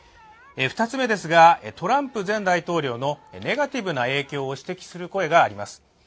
２つ目ですが、トランプ前大統領のネガティブな影響を指摘する声があります。